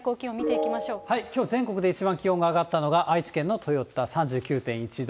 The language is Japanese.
きょう、全国で一番気温が上がったのが愛知県の豊田３９．１度。